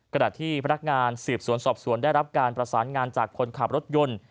ขณะที่พนักงานสืบสวนสอบสวนได้รับการประสานงานจากคนขับรถยนต์